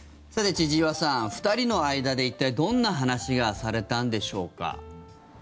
千々岩さん、２人の間で一体、どんな話がされたのでしょうか。